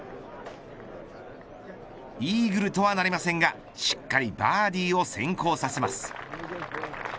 イーグルとはなりませんがしっかりバーディーを先行させます。